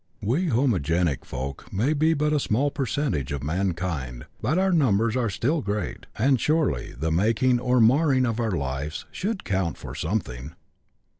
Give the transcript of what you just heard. We homogenic folk may be but a small percentage of mankind, but our numbers are still great, and surely the making or marring of our lives should count for something.